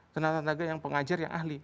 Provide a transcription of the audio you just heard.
tenaga tenaga yang pengajar yang ahli